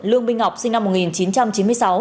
lương minh ngọc sinh năm một nghìn chín trăm chín mươi sáu